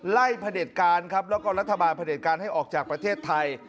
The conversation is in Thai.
พระเด็จการครับแล้วก็รัฐบาลพระเด็จการให้ออกจากประเทศไทย